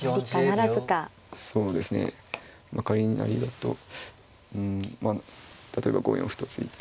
そうですね仮に成りだとうんまあ例えば５四歩と突いて。